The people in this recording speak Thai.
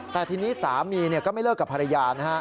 แต่ทีนี้สามีก็ไม่เลิกกับภรรยานะฮะ